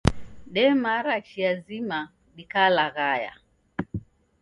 Demara chia zima dikalaghaya